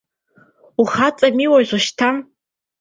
Ухаҵами уажәшьҭа.